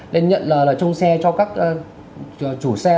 nên nhận lời trong xe cho các chủ xe